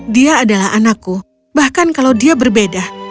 dia adalah anakku bahkan kalau dia berbeda